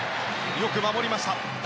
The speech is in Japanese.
よく守りました。